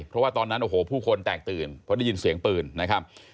เพราะว่าตอนนั้นโอ้โหผู้คนแตกตื่นเพราะได้ยินเสียงปืนนะครับ